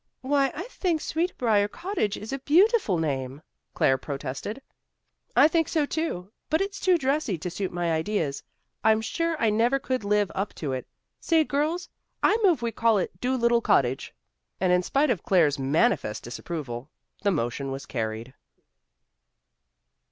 "Why, I think Sweet Briar Cottage is a beautiful name," Claire protested. "I think so, too. But it's too dressy to suit my ideas. I'm sure I never could live up to it. Say, girls, I move we call it Dolittle Cottage." And, in spite of Claire's manifest disapproval, the motion was carried.